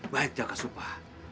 baik jaka supa